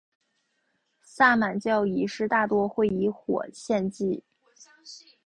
萨满教仪式大多会以火献祭。